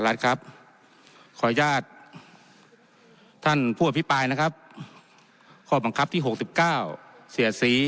รัฐครับขออนุญาตท่านผู้อภิปรายนะครับข้อบังคับที่๖๙เสียสี